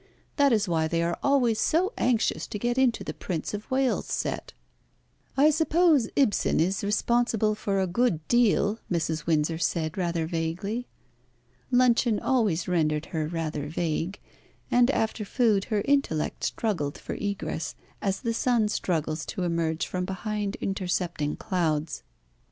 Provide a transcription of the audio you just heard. That is why they are always so anxious to get into the Prince of Wales' set." "I suppose Ibsen is responsible for a good deal," Mrs. Windsor said rather vaguely. Luncheon always rendered her rather vague, and after food her intellect struggled for egress, as the sun struggles to emerge from behind intercepting clouds.